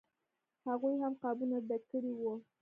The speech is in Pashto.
هغوی هم قابونه ډک کړي وو.